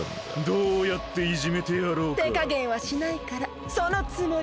どうやっていじめてやろうか。てかげんはしないからそのつもりで。